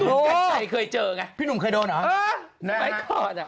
อยู่กันใจเคยเจอไงพี่หนุ่มเคยโดนหรอไปก่อนอ่ะ